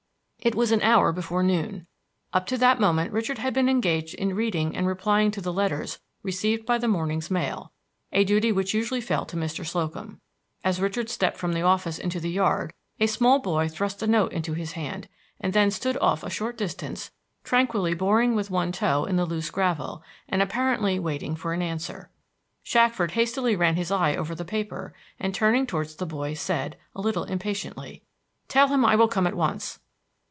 It was an hour before noon. Up to that moment Richard had been engaged in reading and replying to the letters received by the morning's mail, a duty which usually fell to Mr. Slocum. As Richard stepped from the office into the yard a small boy thrust a note into his hand, and then stood off a short distance tranquilly boring with one toe in the loose gravel, and apparently waiting for an answer. Shackford hastily ran his eye over the paper, and turning towards the boy said, a little impatiently: "Tell him I will come at once."